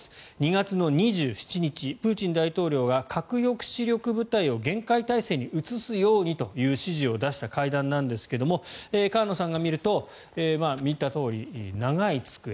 ２月２７日プーチン大統領が核抑止力部隊を厳戒態勢に移すようにという指示を出した会談ですが、河野さんが見ると見たとおり長い机。